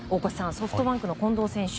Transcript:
ソフトバンクの近藤選手